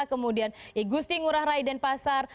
kemudian igusti ngurah raiden pasar